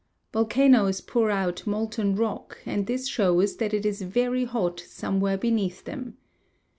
Volcanoes pour out molten rock and this shows that it is very hot somewhere beneath them.